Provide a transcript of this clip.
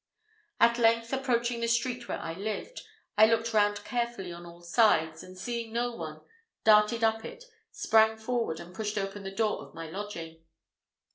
At length, approaching the street wherein I lived, I looked round carefully on all sides, and seeing no one, darted up it, sprang forward, and pushed open the door of my lodging.